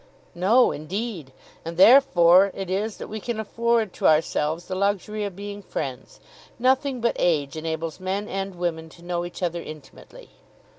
"No, indeed; and therefore it is that we can afford to ourselves the luxury of being friends. Nothing but age enables men and women to know each other intimately."